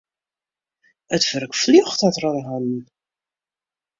It wurk fljocht har troch de hannen.